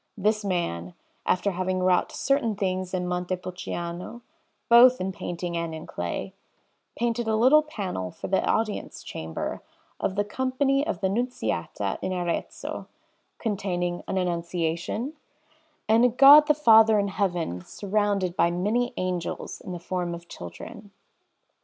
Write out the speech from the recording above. This man, after having wrought certain things in Montepulciano both in painting and in clay, painted a little panel for the Audience Chamber of the Company of the Nunziata in Arezzo, containing an Annunciation, and a God the Father in Heaven surrounded by many angels in the form of children.